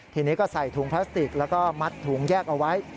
ทีนี้ก็ใส่ถุงพลาสติกแล้วก็มัดถุงแยกเอาไว้